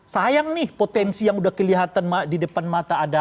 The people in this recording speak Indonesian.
sayang nih potensi yang udah kelihatan di depan mata ada